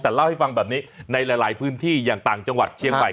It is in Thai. แต่เล่าให้ฟังแบบนี้ในหลายพื้นที่อย่างต่างจังหวัดเชียงใหม่